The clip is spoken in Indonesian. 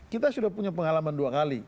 kita sudah punya pengalaman dua kali